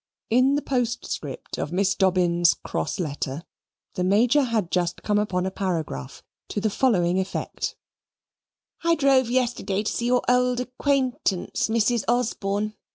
In the postscript of Miss Dobbin's cross letter, the Major had just come upon a paragraph, to the following effect: "I drove yesterday to see your old ACQUAINTANCE, Mrs. Osborne.